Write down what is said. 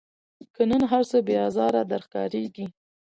که نن هرڅه بې آزاره در ښکاریږي